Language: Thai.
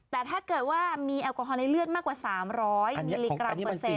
แต่ถ้าเกิดว่ามีแอลกอฮอลในเลือดมากกว่า๓๐๐มิลลิกรัมเปอร์เซ็น